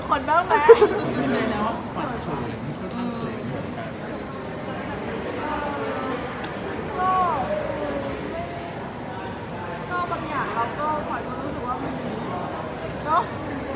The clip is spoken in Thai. คุณรู้สึกที่อื่ม